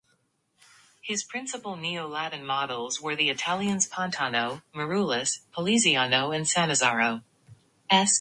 His principal Neo-Latin models were the Italians Pontano, Marullus, Poliziano and Sannazaro.